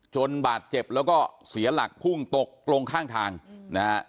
บาดเจ็บแล้วก็เสียหลักพุ่งตกลงข้างทางนะฮะ